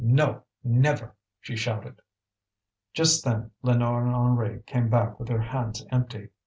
"No, never!" she shouted. Just then Lénore and Henri came back with their hands empty.